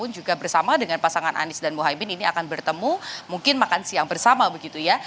juga bersama dengan pasangan anies dan mohaimin ini akan bertemu mungkin makan siang bersama begitu ya